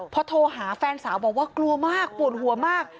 พอโทรหาแฟนสาวบอกว่ากลัวมากปวดหัวมาก